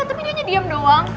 tapi dia nanya diam doang